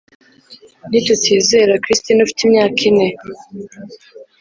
ntituzizera Christine ufite imyaka ine